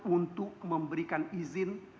untuk memberikan izin